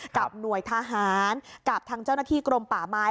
กับหน่วยทหารกับทางเจ้าหน้าที่กรมป่าไม้